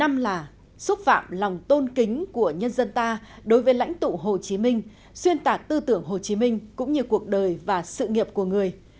năm là xúc phạm lòng tôn kính của nhân dân ta đối với lãnh tụ hồ chí minh xuyên tạc tư tưởng hồ chí minh cũng như cuộc đời và sự nghiệp của người